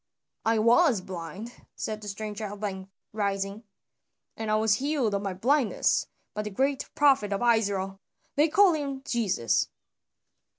"I was blind," said the stranger at length rising, "and I was healed of my blindness by the great prophet of Israel. They call him Jesus."